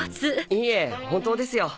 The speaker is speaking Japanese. いえ本当ですよ。